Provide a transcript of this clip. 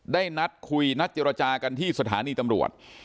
ได้นัดคุยนัดเจรจากันที่สถานีตำรวจ